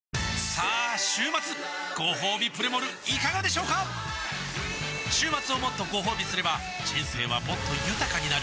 さあ週末ごほうびプレモルいかがでしょうか週末をもっとごほうびすれば人生はもっと豊かになる！